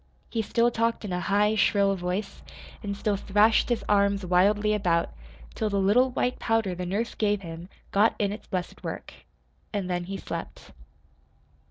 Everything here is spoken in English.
He still talked in a high, shrill voice, and still thrashed his arms wildly about, till the little white powder the nurse gave him got in its blessed work. And then he slept.